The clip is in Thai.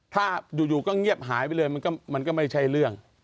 ถ้าอยู่ก็เงียบหายไปเลยมันก็ไม่ใช่เรื่อง